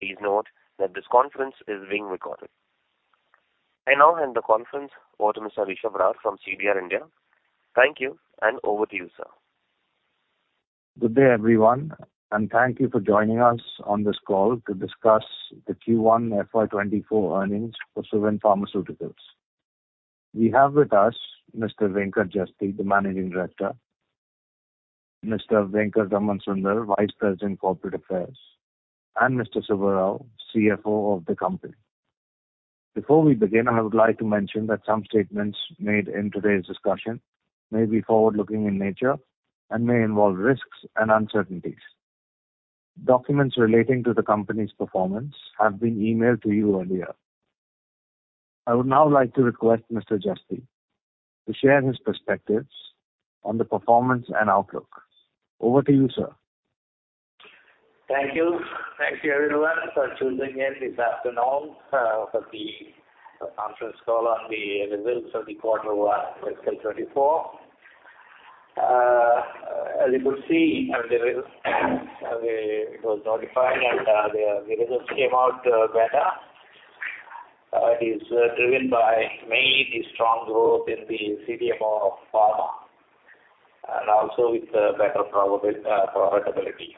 Please note that this conference is being recorded. I now hand the conference over to Mr. Rishabh Shah from CDR India. Thank you, and over to you, sir. Good day, everyone, and thank you for joining us on this call to discuss the Q1 FY24 earnings for Suven Pharmaceuticals. We have with us Mr. Venkat Jasti, the Managing Director, Mr. Venkat Ramansunder, Vice President, Corporate Affairs, and Mr. Subbarao, CFO of the company. Before we begin, I would like to mention that some statements made in today's discussion may be forward-looking in nature and may involve risks and uncertainties. Documents relating to the company's performance have been emailed to you earlier. I would now like to request Mr. Jasti to share his perspectives on the performance and outlook. Over to you, sir. Thank you. Thank you, everyone, for tuning in this afternoon for the conference call on the results of the Q1 FY24. As you could see, I mean, the results, we it was notified, and, the, the results came out better. It is driven by mainly the strong growth in the CDMO and also with the better profit, profitability.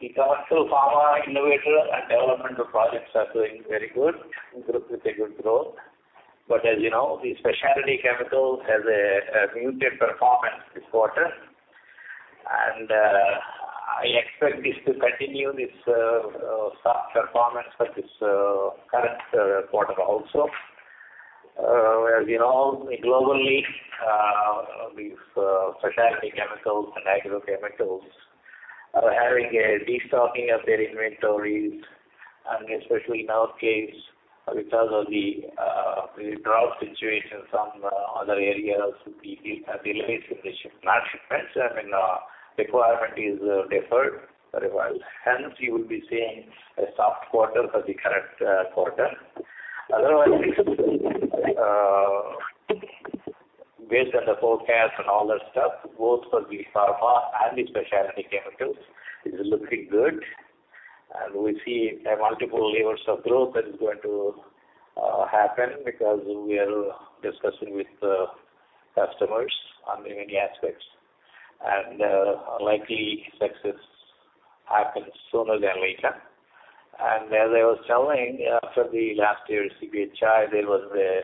The commercial pharma, innovator, and developmental projects are doing very good, with a good growth. As you know, the specialty chemical has a, a muted performance this quarter, and, I expect this to continue this, soft performance for this, current quarter also. As we know, globally, these specialty chemicals and agrochemicals are having a destocking of their inventories, and especially in our case, because of the drought situation, some other areas, the delays in the ship- not shipments, I mean, requirement is deferred, very well. Hence, you will be seeing a soft quarter for the current quarter. Otherwise, based on the forecast and all that stuff, both for the pharma and the specialty chemicals, it is looking good. We see multiple levels of growth that is going to happen because we are discussing with the customers on many aspects, and likely success happens sooner than later. As I was telling, after the last year's CPHI, there was a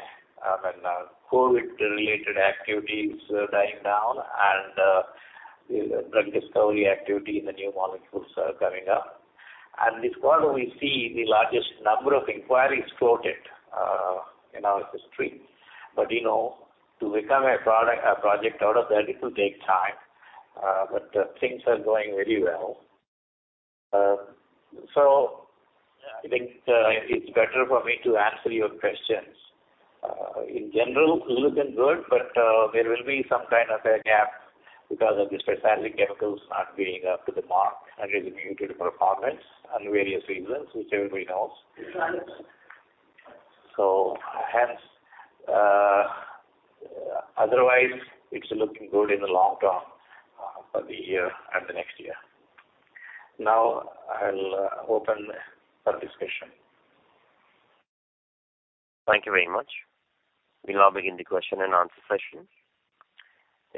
COVID-related activities dying down and drug discovery activity in the new molecules are coming up. This quarter, we see the largest number of inquiries quoted in our history. You know, to become a product, a project out of that, it will take time, but things are going very well. I think it's better for me to answer your questions. In general, looking good, but there will be some kind of a gap because of the specialty chemicals not being up to the mark and is muted performance and various reasons, which everybody knows. Hence. Otherwise, it's looking good in the long term for the year and the next year. I'll open for discussion. Thank you very much. We'll now begin the question and answer session.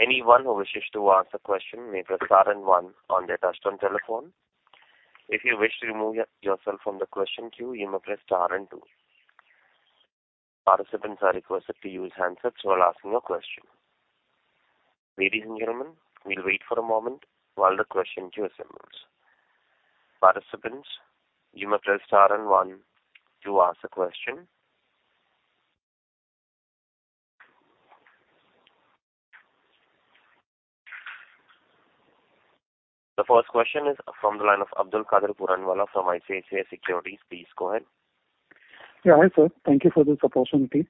Anyone who wishes to ask a question, may press star and 1 on their touchtone telephone. If you wish to remove yourself from the question queue, you may press star and 2. Participants are requested to use handsets while asking a question. Ladies and gentlemen, we'll wait for a moment while the question queue assembles. Participants, you may press star and 1 to ask a question. The first question is from the line of Abdulkader Puranwala from ICICI Securities. Please go ahead. Yeah, hi, sir. Thank you for this opportunity.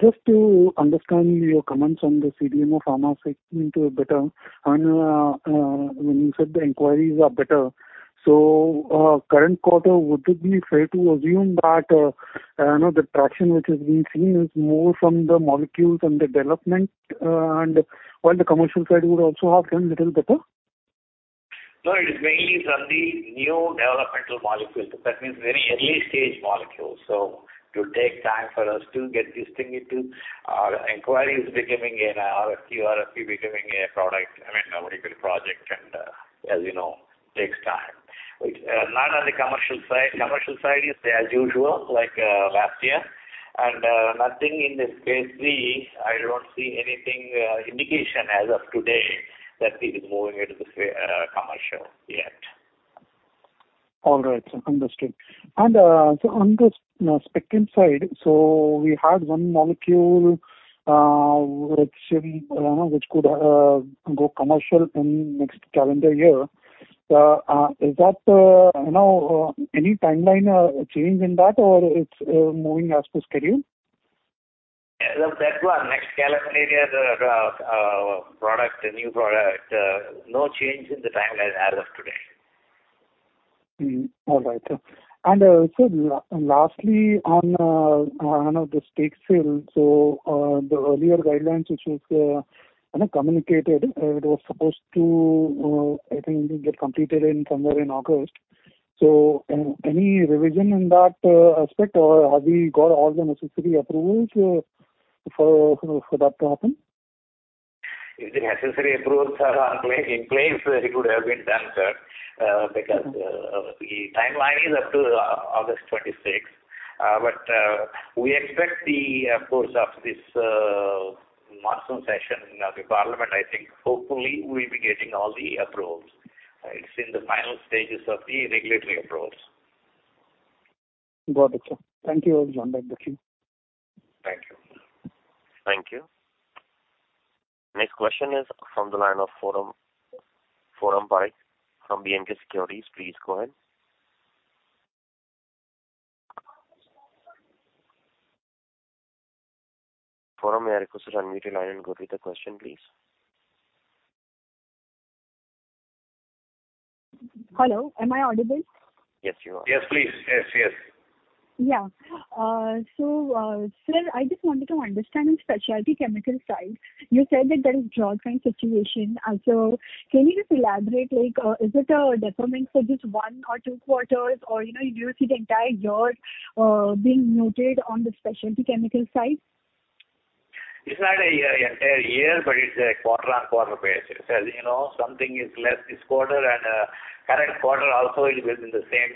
Just to understand your comments on the CDMO Pharma seeming to be better, and, when you said the inquiries are better, current quarter, would it be fair to assume that, you know, the traction which is being seen is more from the molecules and the development, and while the commercial side would also have done little better? No, it is mainly from the new developmental molecules, that means very early stage molecules. It will take time for us to get this thing into inquiries becoming an RFQ, RFP, becoming a product, I mean, a very good project, and as you know, takes time. Not on the commercial side. Commercial side is as usual, like last year, and nothing in this case three, I don't see anything indication as of today that it is moving into the commercial yet. All right, sir. Understood. On the Spectrum side, so we had one molecule which could go commercial in next calendar year. Is that, you know, any timeline change in that, or it's moving as per schedule? Yeah, that one, next calendar year, the product, a new product, no change in the timeline as of today. Mm-hmm. All right. Lastly, on the stake sale, so the earlier guidelines, which was, I know communicated, it was supposed to, I think get completed in somewhere in August. Any revision in that aspect, or have we got all the necessary approvals for, for that to happen? If the necessary approvals are on place, in place, it would have been done, sir, because the timeline is up to August 26. We expect the course of this monsoon session of the parliament, I think hopefully we'll be getting all the approvals. It's in the final stages of the regulatory approvals. Got it, sir. Thank you. I'll join back with you. Thank you. Thank you. Next question is from the line of Foram, Foram Parekh from B&K Securities. Please go ahead. Foram, may I request to unmute your line and go to the question, please? Hello, am I audible? Yes, you are. Yes, please. Yes, yes. Sir, I just wanted to understand in specialty chemical side, you said that there is drought trend situation. Also, can you just elaborate, like, is it a deferment for just one or two quarters, or, you know, do you see the entire year being noted on the specialty chemical side? It's not a year, entire year, but it's a quarter on quarter basis. As you know, something is less this quarter, and current quarter also is within the same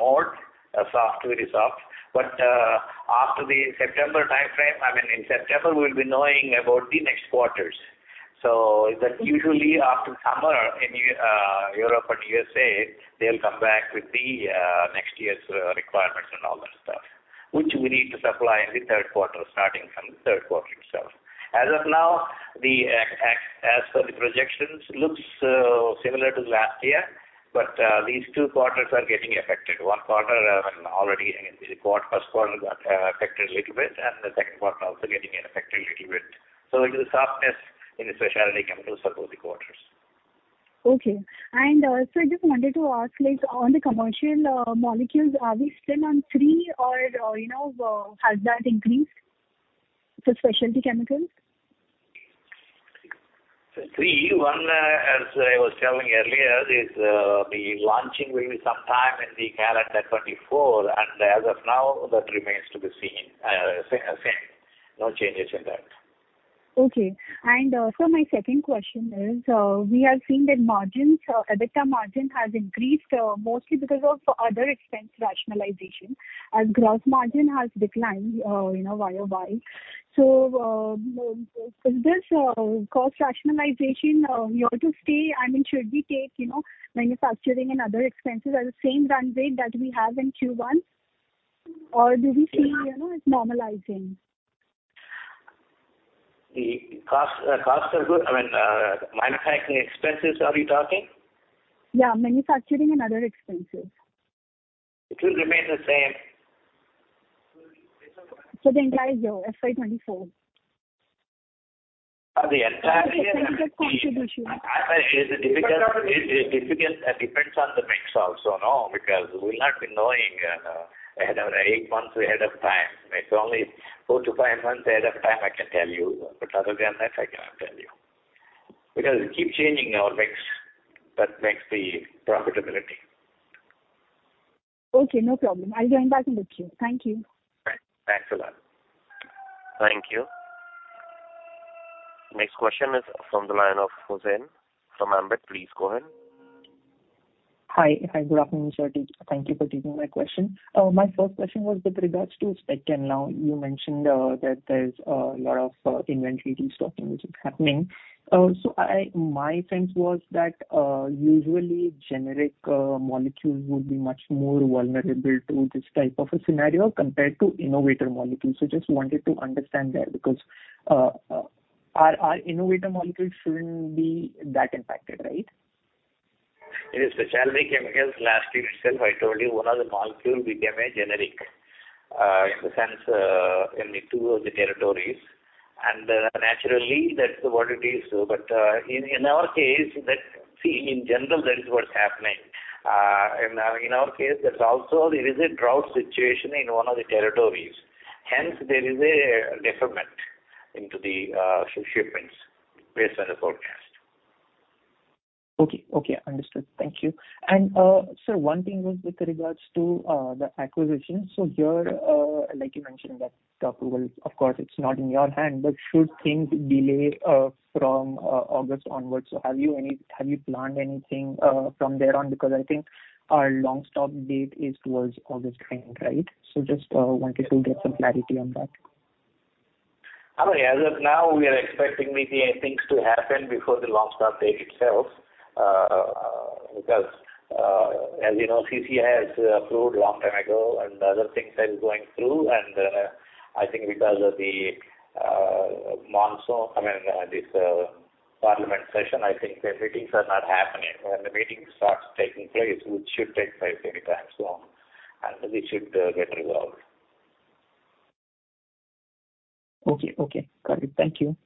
mode, soft, very soft. After the September time frame, I mean, in September, we'll be knowing about the next quarters. That usually after summer in Europe and USA, they'll come back with the next year's requirements and all that stuff, which we need to supply in the third quarter, starting from the third quarter itself. As of now, as per the projections, looks similar to last year, these 2 quarters are getting affected. 1 quarter, already in the quarter, first quarter got affected a little bit, the second quarter also getting affected a little bit. It is a softness in the specialty chemicals for both the quarters. Okay. So I just wanted to ask, like, on the commercial, molecules, are we still on 3, or, you know, has that increased for specialty chemicals? 3, 1, as I was telling earlier, is, the launching will be sometime in the calendar 2024. As of now, that remains to be seen, same. No changes in that. Okay. Sir, my second question is, we are seeing that margins, or EBITDA margin has increased mostly because of other expense rationalization, as gross margin has declined, you know, year-over-year. Will this cost rationalization here to stay? I mean, should we take, you know, manufacturing and other expenses at the same run rate that we have in Q1, or do we see, you know, it normalizing? The cost, costs are good. I mean, manufacturing expenses, are you talking? Yeah, manufacturing and other expenses. It will remain the same. For the entire FY 2024. For the entire year- Contribution. It is difficult, it difficult, depends on the mix also, no? Because we'll not be knowing, ahead, eight months ahead of time. It's only 4-5 months ahead of time, I can tell you, but other than that, I cannot tell you. Because it keep changing our mix, that makes the profitability. Okay, no problem. I'll join back with you. Thank you. Thanks. Thanks a lot. Thank you. Next question is from the line of Hussain Kagzi from Ambit. Please go ahead. Hi. Hi, good afternoon, sir. Thank you for taking my question. My first question was with regards to uncertain. Now, you mentioned that there's a lot of inventory restocking which is happening. My think was that usually generic molecules would be much more vulnerable to this type of a scenario compared to innovator molecules. Just wanted to understand that, because our, our innovator molecules shouldn't be that impacted, right? In the specialty chemicals last year itself, I told you, one of the molecule became a generic, in the sense, in the two of the territories, and naturally, that's what it is. But, in, in our case, see, in general, that is what's happening. In our, in our case, there's also there is a drought situation in one of the territories. Hence, there is a deferment into the shipments based on the forecast. Okay, okay, understood. Thank you. Sir, one thing was with regards to the acquisition. Here, like you mentioned, that the approval, of course, it's not in your hand, but should things delay from August onwards, have you planned anything from there on? Because I think our long stop date is towards August, right? Just wanted to get some clarity on that. I mean, as of now, we are expecting the things to happen before the long stop date itself. Because, as you know, CCI has approved long time ago, and the other things are going through. I think because of the monsoon, I mean, this parliament session, I think the meetings are not happening. When the meeting starts taking place, it should take place anytime soon, and we should get resolved. Okay, okay, got it. Thank you.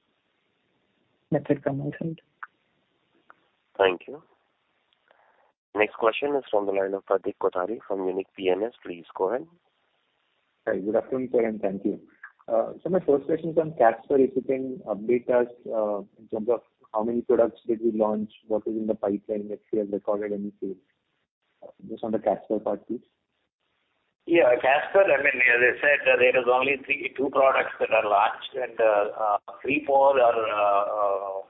That's it from my side. Thank you. Next question is from the line of Pratik Kothari from Unique PMS. Please go ahead. Hi, good afternoon, sir, and thank you. My first question is on Casper. If you can update us in terms of how many products did you launch? What is in the pipeline that you have recorded anything? Just on the Casper part, please. Yeah, Casper, I mean, as I said, there is only 3- 2 products that are launched, and 3, 4 are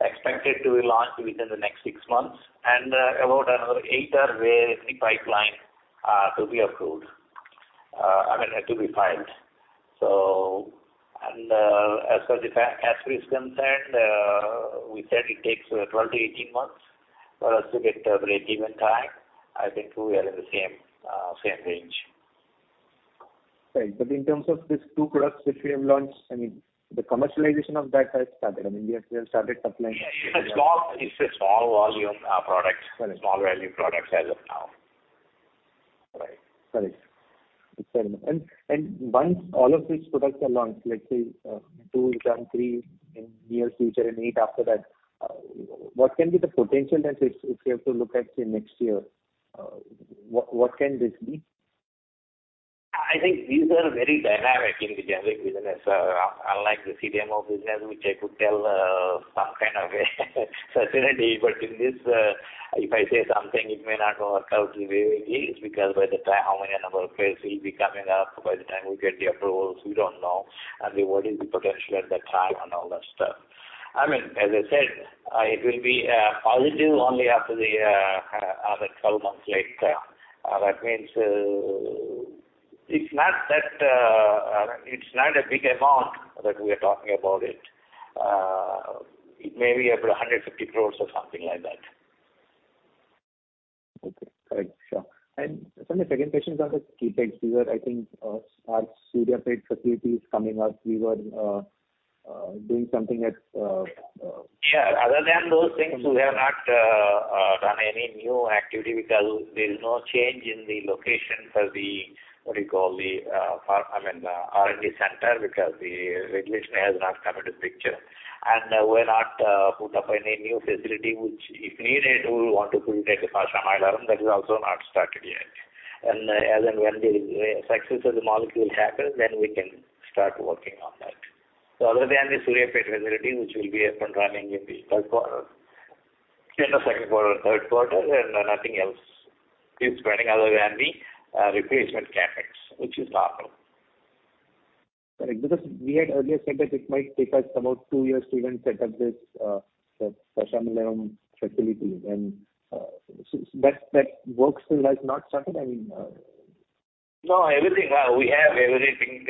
expected to be launched within the next 6 months. About another 8 are where in the pipeline to be approved, I mean, to be filed. As far as the Cas-Casper is concerned, we said it takes 12 to 18 months for us to get the breakeven time. I think we are in the same, same range. Right. In terms of these 2 products, which we have launched, I mean, the commercialization of that has started. I mean, you have started supplying. Yeah, it's a small, it's a small volume, products. Right. Small value products as of now. Right. Got it. Once all of these products are launched, let's say, 2, done 3 in near future and 8 after that, what can be the potential that if, if you have to look at, say, next year, what, what can this be? I think these are very dynamic in the generic business. Unlike the CDMO business, which I could tell some kind of certainty, but in this, if I say something, it may not work out the way it is, because by the time how many number of cases will be coming up, by the time we get the approvals, we don't know. What is the potential at that time and all that stuff. I mean, as I said, it will be positive only after the after 12 months later. That means, it's not that it's not a big amount that we are talking about it. It may be about 150 crore or something like that. Okay, correct. Sure. Sir, my second question is on the CapEx. These are, I think, our Suryapet facility is coming up. We were doing something at- Yeah, other than those things, we have not done any new activity because there is no change in the location for the, what do you call the, farm, I mean, R&D center, because the regulation has not come into picture. We're not put up any new facility, which if needed, we want to put it at Pashamylaram, that is also not started yet. As and when the success of the molecule happens, then we can start working on that. So other than the Suryapet facility, which will be up and running in the third quarter, in the second quarter, third quarter, and nothing else is running other than the replacement CapEx, which is normal. Correct. We had earlier said that it might take us about two years to even set up this, the Pashamylaram facility. That, that work still has not started, I mean? No, everything. Well, we have everything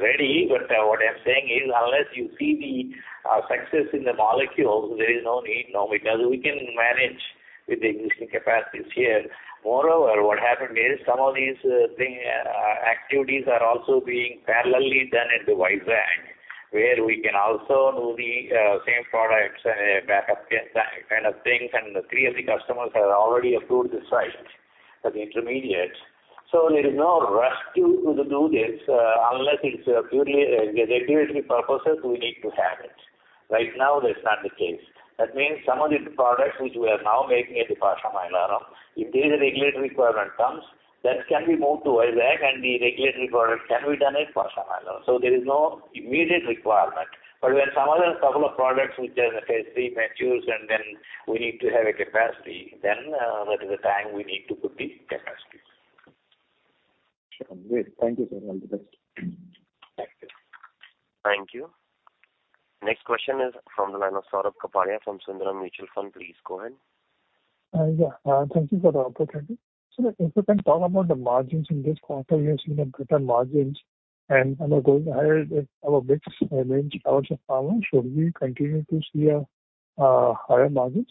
ready, but what I'm saying is, unless you see the success in the molecule, there is no need. No, because we can manage with the existing capacities here. What happened is some of these thing activities are also being parallelly done in Vizag, where we can also move the same products back up kind of things, and 3 of the customers have already approved this site as intermediates. There is no rush to do this unless it's purely regulatory purposes, we need to have it. Right now, that's not the case. That means some of these products which we are now making at the Pashamylaram, if there is a regulatory requirement comes, that can be moved to Vizag, and the regulatory product can be done at Pashamylaram. There is no immediate requirement. When some other couple of products which are in the Phase III matures, and then we need to have a capacity, then, that is the time we need to put the capacities. Sure. Great. Thank you, sir. All the best. Thank you. Thank you. Next question is from the line of Saurabh Kapadia from Sundaram Mutual Fund. Please go ahead. Yeah. Thank you for the opportunity. If you can talk about the margins in this quarter, we have seen a better margins and those higher our mix range out of power. Should we continue to see a higher margins?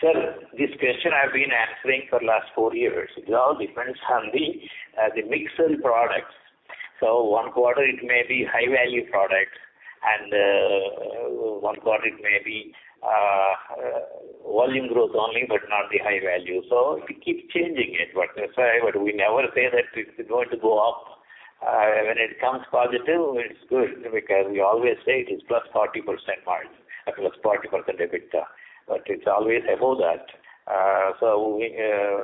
Sir, this question I've been answering for the last four years. It all depends on the, the mix sell products. One quarter, it may be high-value products, and one quarter it may be volume growth only, but not the high value. We keep changing it, but that's why, but we never say that it's going to go up. When it comes positive, it's good, because we always say it is plus 40% margin, a plus 40% EBITDA, but it's always above that. We,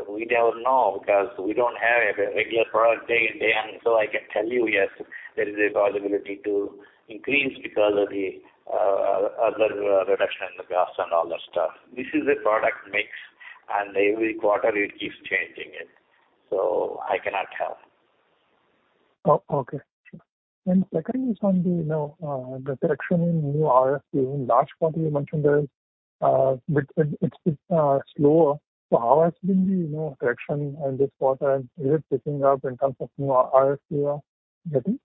we don't know, because we don't have a regular product day in day out, I can tell you, yes, there is a possibility to increase because of the other reduction in the gas and all that stuff. This is a product mix, and every quarter it keeps changing it, I cannot tell. Oh, okay. Sure. Second is on the, you know, the correction in new RFQ. In last quarter, you mentioned there is, between... It's, slower. How has been the, you know, correction in this quarter? Is it picking up in terms of new RFQ you are getting?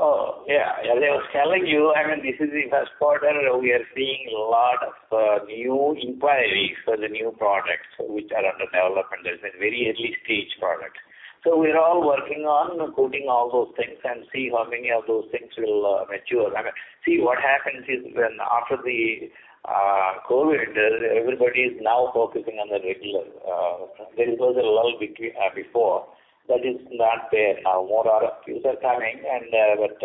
Oh, yeah. As I was telling you, I mean, this is the first quarter, we are seeing a lot of new inquiries for the new products which are under development. There's a very early stage product. We're all working on putting all those things and see how many of those things will mature. I mean, see, what happens is when after the COVID, everybody is now focusing on the regular. There was a lull between before, that is not there. Now, more users are coming, and, but,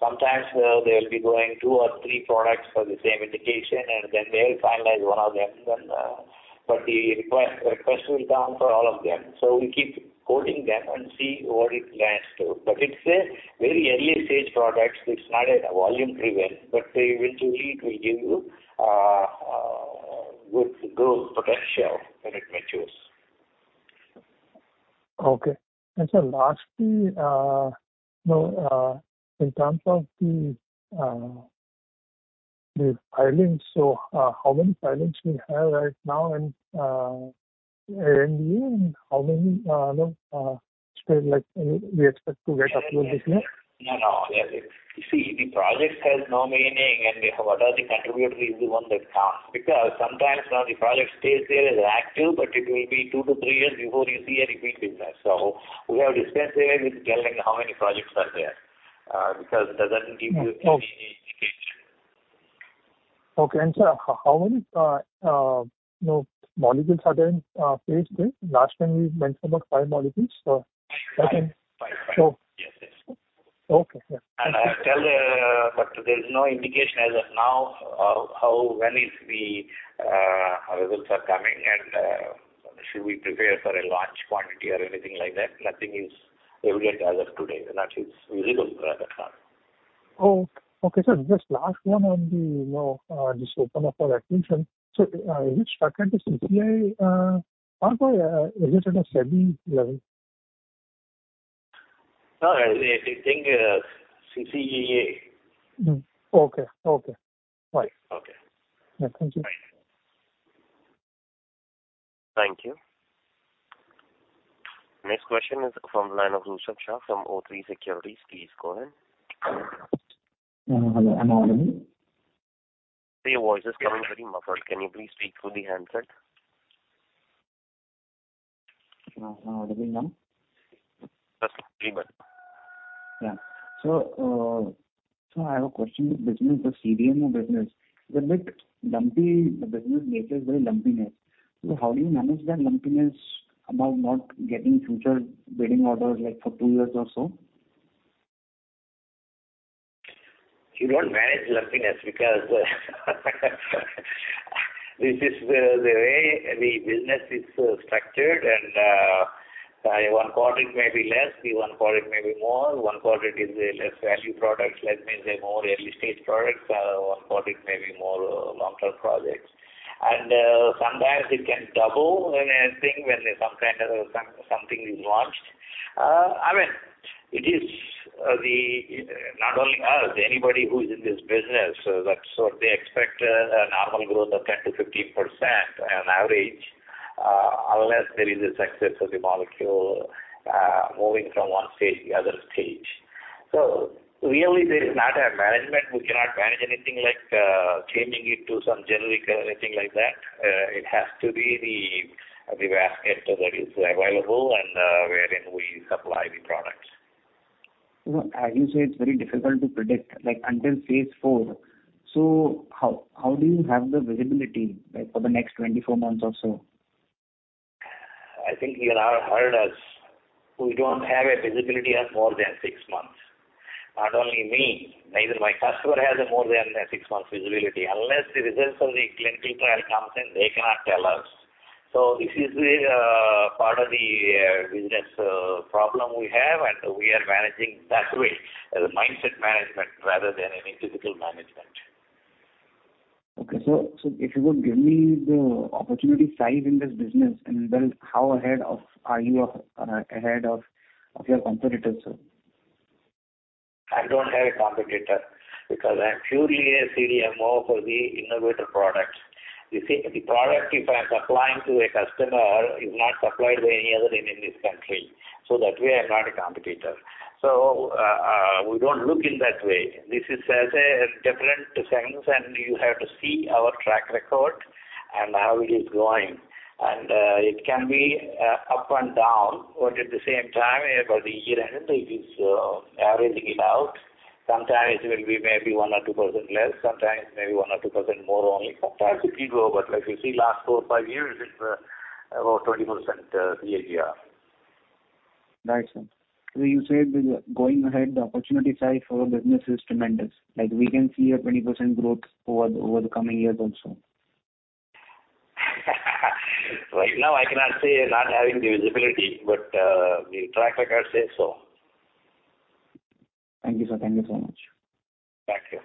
sometimes, they'll be going two or three products for the same indication, and then they'll finalize one of them. The request, request will come for all of them. We keep quoting them and see what it lasts to. It's a very early stage products. It's not a volume driven, but they eventually it will give you good growth potential when it matures. Okay. Lastly, you know, in terms of the, the filings, so, how many filings we have right now, and, and how many, you know, like, we expect to get approved this year? No, no. You see, the projects has no meaning. What are the contributors is the one that counts, because sometimes now the project stays there as active, but it will be 2 to 3 years before you see any big business. We have discussed here with telling how many projects are there, because it doesn't give you any indication. Okay. sir, how many, you know, molecules are there in phase III? Last time we mentioned about five molecules. Five. Five, five. Sure. Yes, yes. Okay. I tell... There's no indication as of now of how, when is the results are coming, and should we prepare for a large quantity or anything like that? Nothing is evident as of today, and that is visible rather far. Oh, okay, sir. Just last one on the, you know, just open up for attention. Is it stuck at the CCA, or is it at a semi level? No, I think, CCEA. Mm. Okay. Okay, fine. Okay. Yeah. Thank you. Thank you. Thank you. Next question is from the line of Rushabh Shah from O3 Securities. Please go ahead. Hello, I'm on the line. Your voice is coming very muffled. Can you please speak through the handset? Hello again, ma'am. Yes, very well. Yeah. I have a question. The business, the CDMO business, is a bit lumpy. The business nature is very lumpiness. How do you manage that lumpiness about not getting future bidding orders, like, for 2 years or so? You don't manage lumpiness because this is the way the business is structured, and one quarter it may be less, the one quarter it may be more. One quarter is a less value product. Let me say, more early stage products. One quarter it may be more long-term projects. Sometimes it can double when I think when something is launched. I mean, it is, the... Not only us, anybody who's in this business, that so they expect a normal growth of 10%-15% on average, unless there is a success of the molecule, moving from one stage to the other stage. Really, there is not a management. We cannot manage anything like changing it to some generic or anything like that. It has to be the, the basket that is available and, wherein we supply the products. As you say, it's very difficult to predict, like, until phase IV. How do you have the visibility, like, for the next 24 months or so? I think you have heard us. We don't have a visibility of more than 6 months. Not only me, neither my customer has a more than a 6-month visibility. Unless the results of the clinical trial comes in, they cannot tell us. This is the part of the business problem we have, and we are managing that way, as a mindset management rather than any physical management. Okay. so if you would give me the opportunity size in this business, and then how ahead of, are you, ahead of, of your competitors, sir? I don't have a competitor because I'm purely a CDMO for the innovator products. You see, the product, if I'm supplying to a customer, is not supplied by any other in this country, so that way I'm not a competitor. We don't look in that way. This is as a different sense, and you have to see our track record and how it is going. It can be up and down, but at the same time, by the year end, it is averaging it out. Sometimes it will be maybe 1% or 2% less, sometimes maybe 1% or 2% more only. Sometimes it will go, but like you see, last 4, 5 years, it's about 20% year, year. Right, sir. You said going ahead, the opportunity side for the business is tremendous. Like, we can see a 20% growth over the coming years also. Right now, I cannot say not having the visibility, but, the track record says so. Thank you, sir. Thank you so much. Thank you.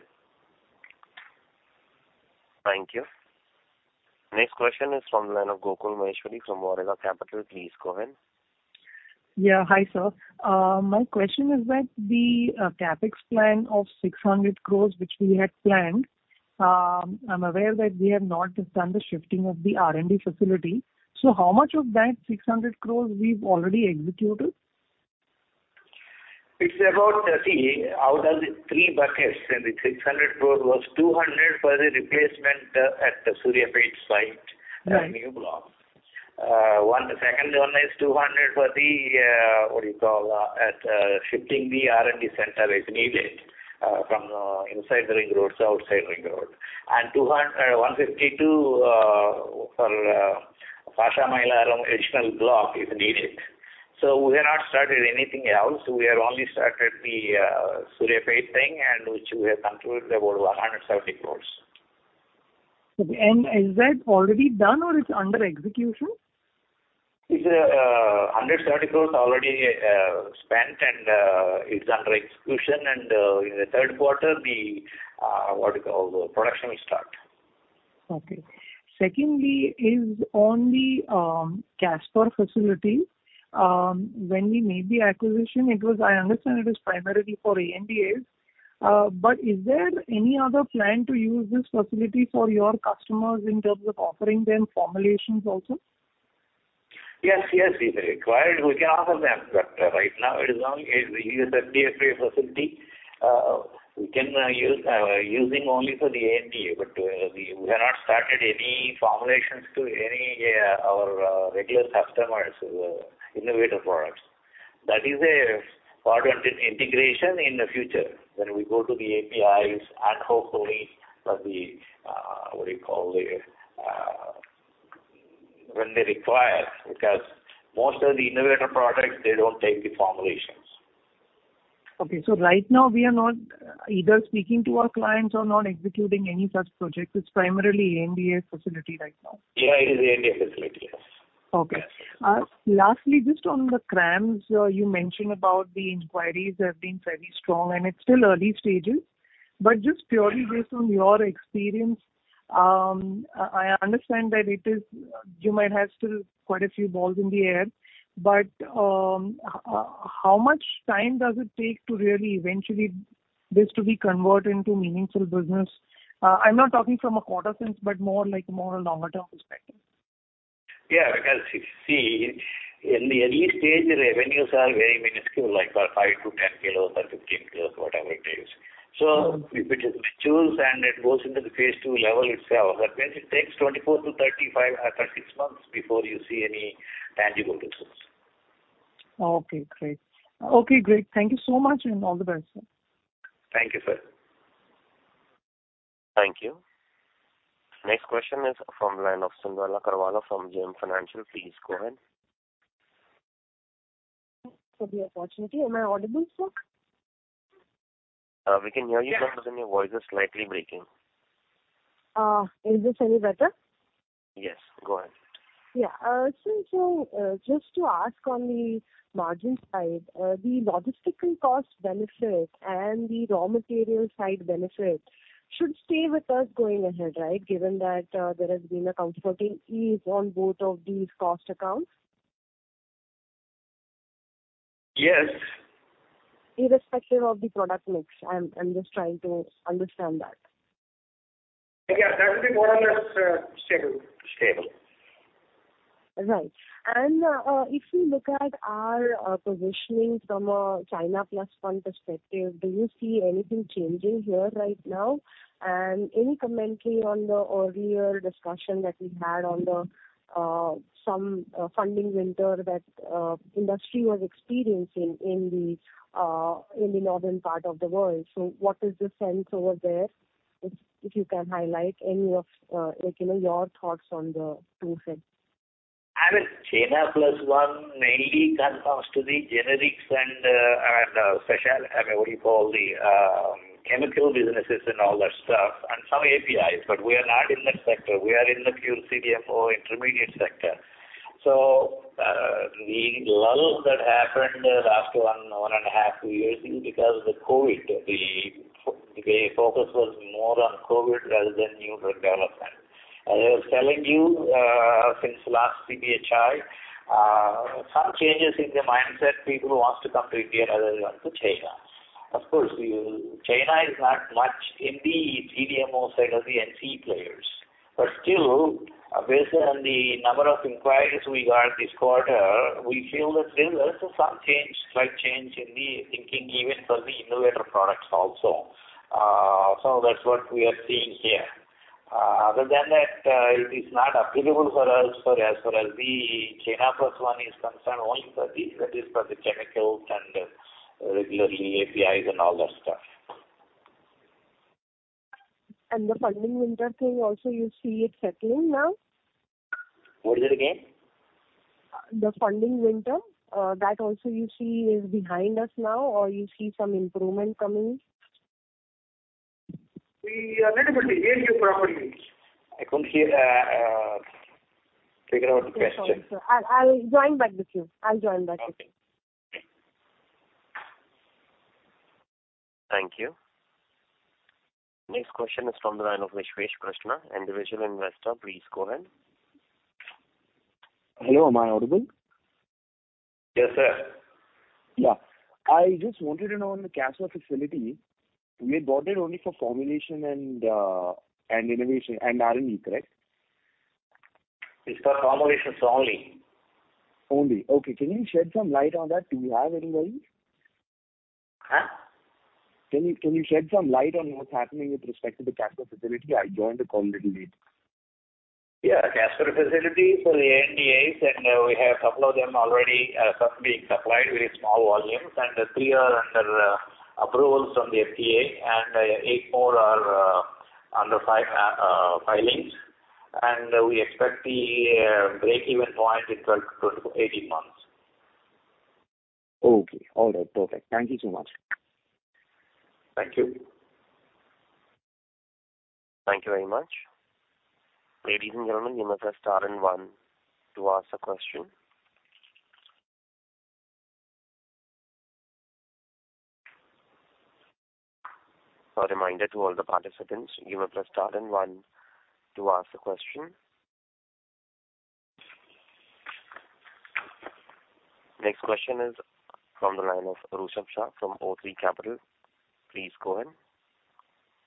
Thank you. Next question is from the line of Gokul Maheshwari from Awriga Capital. Please go ahead. Yeah. Hi, sir. My question is that the CapEx plan of 600 crore, which we had planned. I'm aware that we have not done the shifting of the R&D facility. How much of that 600 crore we've already executed? It's about 30. Out of the three buckets, the 600 crore was 200 for the replacement at the Suryapet site, the new block. One, the second one is 200 for the what you call, at shifting the R&D center as needed, from inside the ring roads to outside ring road. 200, 152 for Pashamylaram additional block, if needed. We have not started anything else. We have only started the Suryapet thing, which we have concluded about 170 crore. Okay. Is that already done or it's under execution? It's, 130 crore already, spent, and, it's under execution, and, in the 3rd quarter, the, what you call, the production will start. Okay. Secondly, is on the, Casper facility, when we made the acquisition, it was... I understand it is primarily for ANDAs, but is there any other plan to use this facility for your customers in terms of offering them formulations also? Yes, yes, if required, we can offer them, but right now it is only a CDMO facility. We can use using only for the ANDA, but we have not started any formulations to any our regular customers, innovator products. That is a part of the integration in the future when we go to the APIs and hopefully for the what do you call the when they require, because most of the innovator products, they don't take the formulations. Okay. Right now we are not either speaking to our clients or not executing any such projects. It's primarily ANDA facility right now? Yeah, it is ANDA facility. Yes. Okay. Yes. Lastly, just on the CRAMS, you mentioned about the inquiries have been very strong, and it's still early stages, but just purely based on your experience, I understand that it is, you might have still quite a few balls in the air, but, how much time does it take to really eventually this to be converted into meaningful business? I'm not talking from a quarter sense, but more like more a longer term perspective. Yeah, because you see, in the early stage, the revenues are very minuscule, like for 5 to 10 kilos or 15 kilos, whatever it is. If it matures and it goes into the phase II level itself, that means it takes 24 to 35 or 36 months before you see any tangible results. Okay, great. Okay, great. Thank you so much, and all the best, sir. Thank you, sir. Thank you. Next question is from the line of Cyndrella Carvalho from JM Financial. Please go ahead. For the opportunity. Am I audible, sir? We can hear you, but your voice is slightly breaking. Is this any better? Yes, go ahead. Yeah. Just to ask on the margin side, the logistical cost benefit and the raw material side benefit should stay with us going ahead, right? Given that, there has been a comfortable ease on both of these cost accounts. Yes. Irrespective of the product mix? I'm just trying to understand that. Yeah, that will be more or less stable, stable. Right. If we look at our positioning from a China Plus One perspective, do you see anything changing here right now? Any commentary on the earlier discussion that we had on the some funding winter that industry was experiencing in the in the northern part of the world. So what is the sense over there? If, if you can highlight any of, like, you know, your thoughts on the two things. I mean, China Plus One mainly concerns to the generics and, and special, I mean, what do you call the chemical businesses and all that stuff, and some APIs, but we are not in that sector. We are in the pure CDMO intermediate sector. The lull that happened last one, one and a half, two years is because of the COVID. The, the focus was more on COVID rather than new drug development. As I was telling you, since last CPHI, some changes in the mindset, people who want to come to India rather than to China. Of course, China is not much in the CDMO side of the NCE players, but still, based on the number of inquiries we got this quarter, we feel that there's also some change, slight change in the thinking, even for the innovator products also. That's what we are seeing here. Other than that, it is not applicable for us for as far as the China Plus One is concerned, only for the, that is for the chemicals and regularly APIs and all that stuff. The funding winter thing also, you see it settling now? What is it again? The funding winter, that also you see is behind us now, or you see some improvement coming? We are little bit. Again, you properly means? I couldn't hear, figure out the question. I'll, I'll join back with you. I'll join back with you. Okay. Thank you. Next question is from the line of Vishvesh Krishna, individual investor. Please go ahead. Hello, am I audible? Yes, sir. Yeah. I just wanted to know on the Casper facility, we bought it only for formulation and, and innovation and R&D, correct? It's for formulations only. Only. Okay, can you shed some light on that? Do you have anybody? Huh? Can you shed some light on what's happening with respect to the Casper facility? I joined a call little late. Yeah, Casper facility for the NDAs, and we have 2 of them already, being supplied with small volumes, and 3 are under approval from the FDA, and 8 more are under filings. We expect the break-even point in 12 to 18 months. Okay. All right, perfect. Thank you so much. Thank you. Thank you very much. Ladies and gentlemen, you must press star and 1 to ask a question. A reminder to all the participants, you must press star and 1 to ask the question. Next question is from the line of Rushabh Shah from O3 Capital. Please go ahead.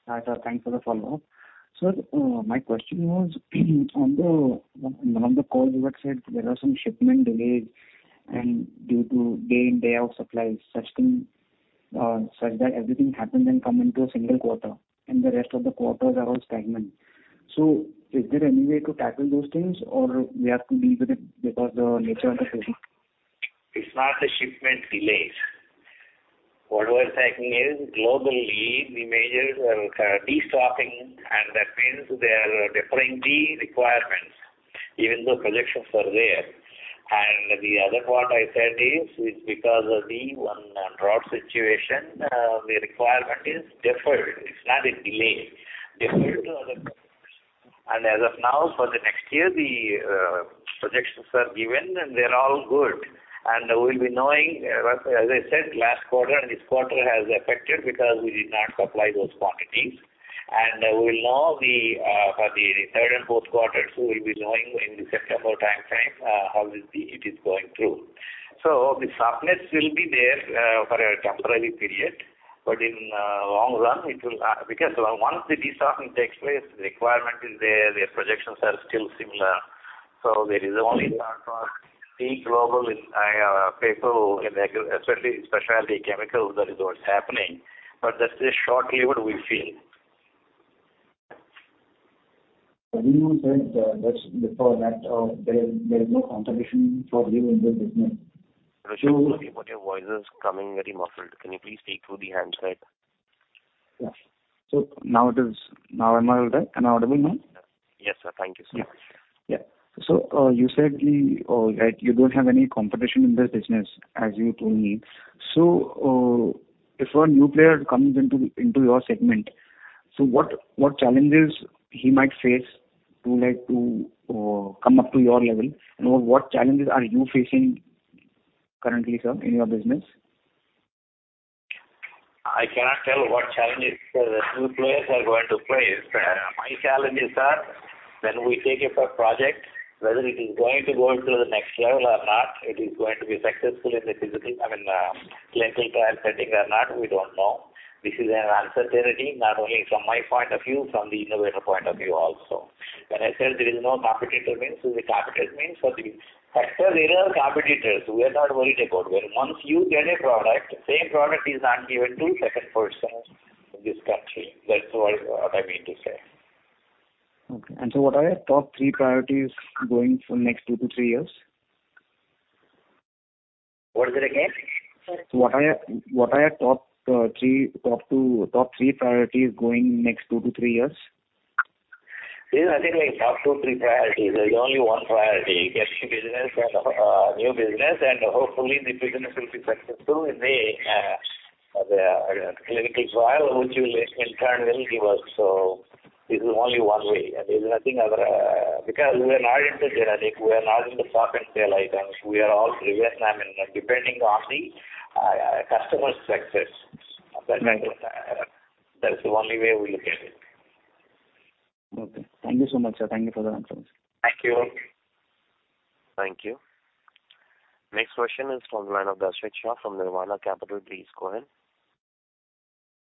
Hi, sir. Thanks for the follow-up. Sir, my question was, on the, on the call, you had said there are some shipment delays and due to day in, day out supplies, such thing, such that everything happens and come into a single quarter, and the rest of the quarters are all stagnant. Is there any way to tackle those things, or we have to live with it because the nature of the business? It's not the shipment delays. What was happening is, globally, the majors are destocking, and that means they are deferring the requirements, even though projections are there. The other part I said is, it's because of the one drought situation, the requirement is deferred. It's not a delay, deferred to other... As of now, for the next year, the projections are given, and they're all good. We'll be knowing, as I said, last quarter, and this quarter has affected because we did not supply those quantities. We'll now the for the third and fourth quarters, we'll be knowing in the September time frame, how it is, it is going through. The softness will be there for a temporary period, but in long run, it will because once the destocking takes place, the requirement is there, their projections are still similar. There is only the global people, especially specialty chemicals, that is what's happening, but that is shortly what we feel. You said, that's before that, there is, there is no competition for you in this business. Sorry, but your voice is coming very muffled. Can you please speak through the handset? Yeah. Now it is... Now am I all right? Am I audible now? Yes, sir. Thank you, sir. Yeah. You said the that you don't have any competition in this business, as you told me. If a new player comes into, into your segment, so what, what challenges he might face to like to come up to your level? And what challenges are you facing currently, sir, in your business? I cannot tell what challenges the new players are going to face. My challenges are when we take up a project, whether it is going to go to the next level or not, it is going to be successful in the physical, I mean, clinical trial setting or not, we don't know. This is an uncertainty, not only from my point of view, from the innovator point of view also. When I said there is no competitor means, the competitor means for the actual, there are competitors, we are not worried about. Once you get a product, same product is not given to second person in this country. That's what, what I mean to say. Okay. What are your top three priorities going for next two to three years? What is it again? What are your, what are your top, 3, top 2, top 3 priorities going next 2 to 3 years? There is nothing like top two, three priorities. There's only one priority, getting business and new business, and hopefully, the business will be successful in the clinical trial, which will in turn will give us. This is only one way. There's nothing other, because we are not into generic, we are not into stock and sale items. We are all clear, I mean, depending on the customer's success. Right. That's the only way we look at it. Okay. Thank you so much, sir. Thank you for the answers. Thank you. Thank you. Next question is from the line of Darshit Shah from Nirvana Capital. Please go ahead.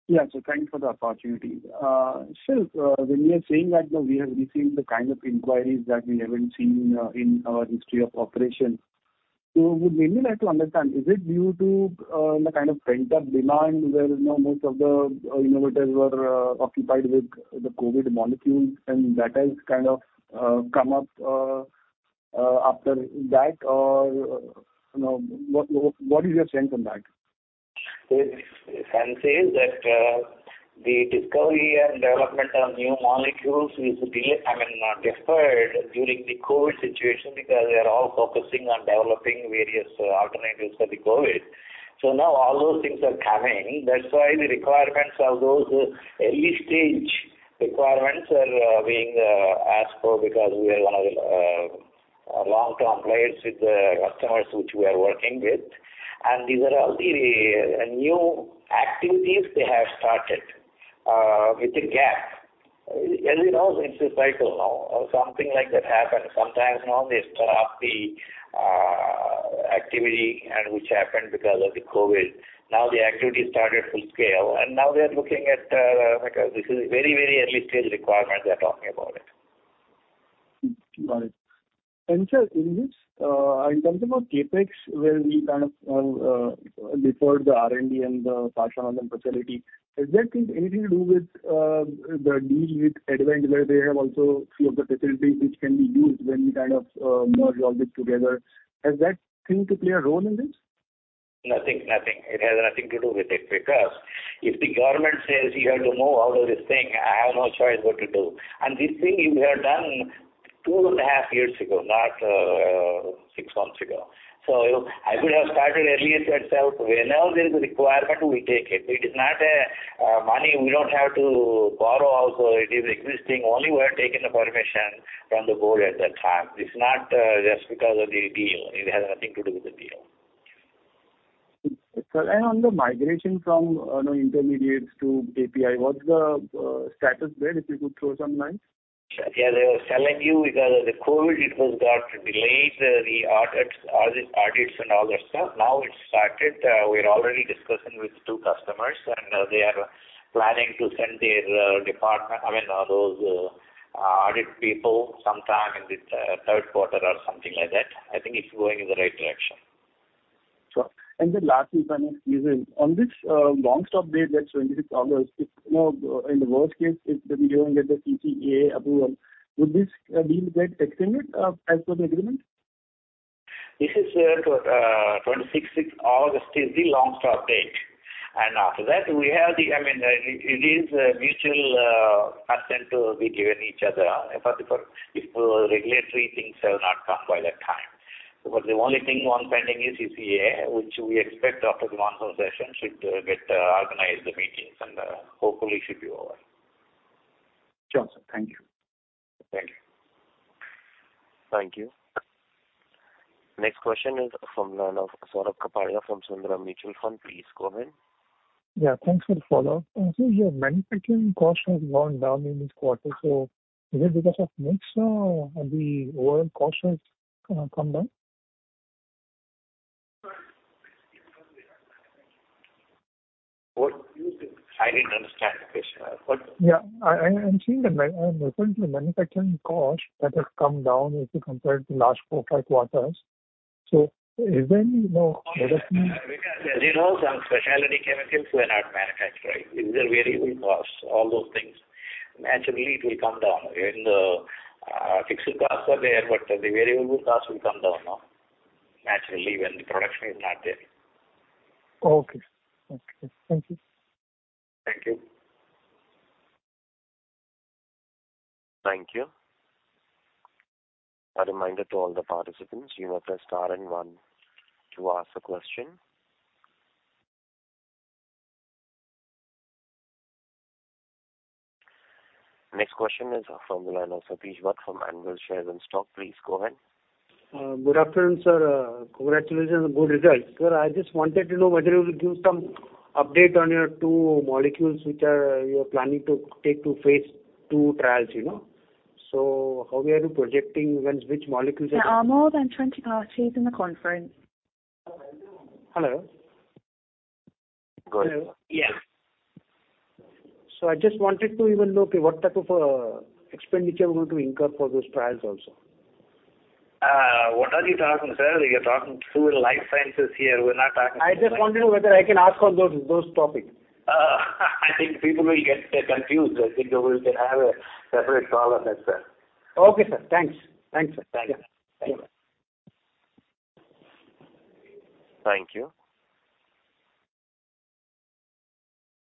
Yeah, thanks for the opportunity. Sir, when you are saying that we have received the kind of inquiries that we haven't seen in our history of operation, we mainly like to understand, is it due to the kind of pent-up demand where, you know, most of the innovators were occupied with the COVID molecules, that has kind of come up after that, or, you know, what, what is your sense on that? Sense is that the discovery and development of new molecules is delayed, I mean, deferred during the COVID situation because they are all focusing on developing various alternatives for the COVID. Now all those things are coming. That's why the requirements of those early stage requirements are being asked for, because we are long-term players with the customers which we are working with. These are all the, the new activities they have started with a gap. You know, it's a cycle now, or something like that happens. Sometimes now they stop the activity and which happened because of the COVID. Now the activity started full scale, and now they are looking at, like, this is a very, very early stage requirement they're talking about it. Right. Sir, in this, in terms of our CapEx, where we kind of, deferred the R&D and the Pashamylaram facility, is that anything to do with, the deal with Advent, where they have also few of the facilities which can be used when we kind of, merge all this together? Has that thing to play a role in this? Nothing, nothing. It has nothing to do with it, because if the government says you have to move out of this thing, I have no choice what to do. This thing we have done 2.5 years ago, not 6 months ago. I could have started earlier itself. Whenever there's a requirement, we take it. It is not a money we don't have to borrow also, it is existing. Only we have taken the permission from the board at that time. It's not just because of the deal. It has nothing to do with the deal. Sir, on the migration from, intermediates to API, what's the, status there, if you could throw some light? Yeah, they were telling you because of the COVID, it has got delayed, the audits, audit, audits and all that stuff. Now it's started. We're already discussing with two customers, they are planning to send their department, I mean, those audit people sometime in this third quarter or something like that. I think it's going in the right direction. Sure. The last one is, on this, long stop date, that's 26th August, if, you know, in the worst case, if we don't get the CCA approval, would this deal get extended, as per the agreement? This is, 26th August is the long stop date, and after that, we have the... I mean, it is a mutual, consent to be given each other if for, if, regulatory things have not come by that time. The only thing one pending is CCA, which we expect after the monsoon session should get, organized the meetings, and, hopefully it should be over. Sure, sir. Thank you. Thank you. Thank you. Next question is from the line of Saurabh Kapadia from Sundaram Mutual Fund. Please go ahead. Yeah, thanks for the follow-up. I see your manufacturing cost has gone down in this quarter, so is it because of mix or the overall cost has come down? What? I didn't understand the question. What- Yeah, I'm referring to the manufacturing cost that has come down if you compare it to last 4, 5 quarters. Is there any, you know, reduction? As you know, some specialty chemicals were not manufactured. These are variable costs, all those things. Naturally, it will come down. Even the fixed costs are there, but the variable costs will come down now, naturally, when the production is not there. Okay. Okay. Thank you. Thank you. Thank you. A reminder to all the participants, you may press star and one to ask a question. Next question is from the line of Satish Bhatt from Anvil Shares and Stock. Please go ahead. Good afternoon, sir. Congratulations on the good results. Sir, I just wanted to know whether you will give some update on your 2 molecules, which are, you are planning to take to phase II trials, you know. How we are you projecting when, which molecules are? Hello? Go ahead. Yeah. I just wanted to even know, okay, what type of expenditure we're going to incur for those trials also. What are you talking, sir? You're talking 2 life sciences here. We're not talking- I just wanted to know whether I can ask on those, those topics? I think people will get confused. I think you will can have a separate call on that, sir. Okay, sir. Thanks. Thanks, sir. Thank you. Thank you. Thank you.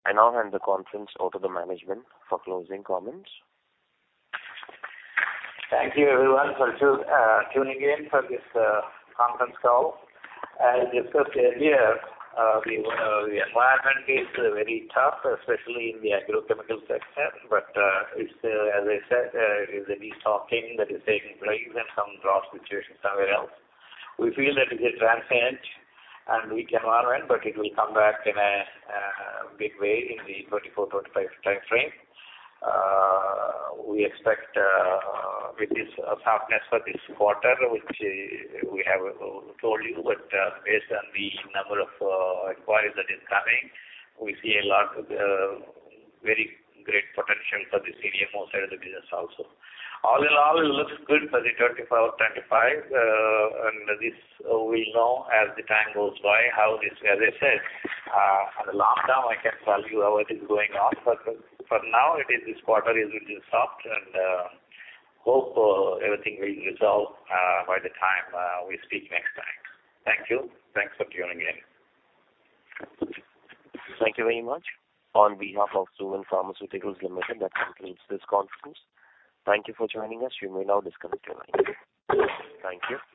I now hand the conference over to the management for closing comments. Thank you, everyone, for tuning in for this conference call. As discussed earlier, the environment is very tough, especially in the agrochemical sector, but it's as I said, it is a restocking that is taking place and some drought situation somewhere else. We feel that it is transient and weak environment, but it will come back in a big way in the 2024, 2025 time frame. We expect with this softness for this quarter, which we have told you, but based on the number of inquiries that is coming, we see a lot very great potential for this CMO side of the business also. All in all, it looks good for the 24, 25, and this we'll know as the time goes by, how this, as I said, on the long term, I can tell you how it is going on, but for now, it is this quarter is a little soft and hope everything will resolve by the time we speak next time. Thank you. Thanks for tuning in. Thank you very much. On behalf of Cohance Lifesciences Limited, that concludes this conference. Thank you for joining us. You may now disconnect your line. Thank you.